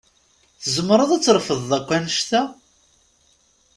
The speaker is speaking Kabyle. Tzemreḍ ad trefdeḍ akk annect-a?